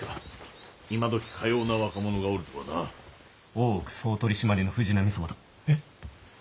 大奥総取締の藤波様だ。え。